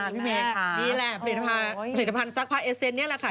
นี่แหละผลิตภัณฑ์ซักผ้าเอสเซนต์นี่แหละค่ะ